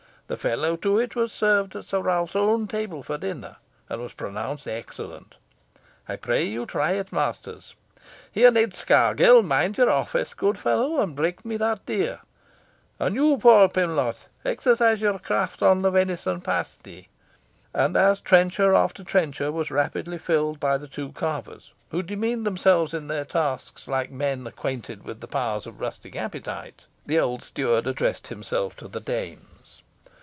The fellow to it was served at Sir Ralph's own table at dinner, and was pronounced excellent. I pray you try it, masters. Here, Ned Scargill, mind your office, good fellow, and break me that deer. And you, Paul Pimlot, exercise your craft on the venison pasty." And as trencher after trencher was rapidly filled by the two carvers, who demeaned themselves in their task like men acquainted with the powers of rustic appetite, the old steward addressed himself to the dames.